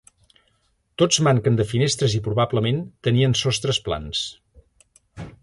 Tots manquen de finestres i probablement tenien sostres plans.